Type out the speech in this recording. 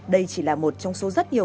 đây chỉ là một trong số rất nhiều